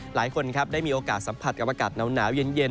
หลายคนครับได้มีโอกาสสัมผัสกับอากาศหนาวเย็น